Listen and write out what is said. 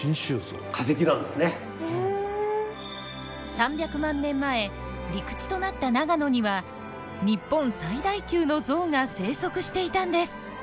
３００万年前陸地となった長野には日本最大級のゾウが生息していたんです。